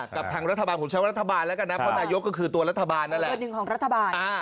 กับทางรัฐบาลผมใช้ว่ารัฐบาลแล้วกันนะเพราะนายก็คือตัวรัฐบาลนั่นแหละ